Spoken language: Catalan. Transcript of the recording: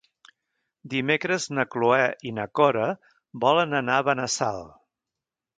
Dimecres na Cloè i na Cora volen anar a Benassal.